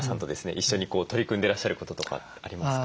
一緒に取り組んでらっしゃることとかありますか？